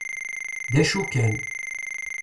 D acu kan.